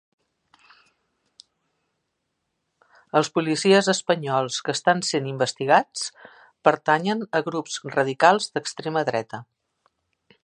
Els policies espanyols que estan sent investigats pertanyen a grups radicals d'extrema dreta